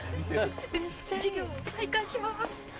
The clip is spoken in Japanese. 授業を再開します。